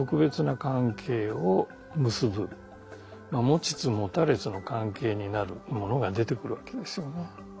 持ちつ持たれつの関係になるものが出てくるわけですよね。